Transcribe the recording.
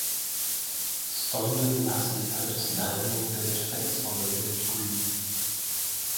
Stondon Massey hosts an annual Village Fete on the village green.